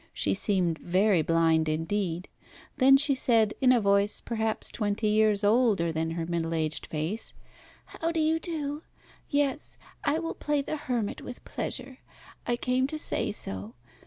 She seemed very blind indeed. Then she said, in a voice perhaps twenty years older than her middle aged face, "How do you do? Yes, I will play the hermit with pleasure. I came to say so.